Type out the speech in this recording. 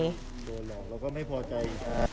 โดนหลอกเราก็ไม่พอใจ